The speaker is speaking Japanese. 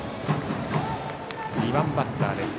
２番バッターです。